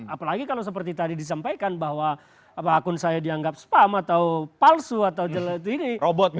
apalagi kalau seperti tadi disampaikan bahwa akun saya dianggap spam atau palsu atau jelek ini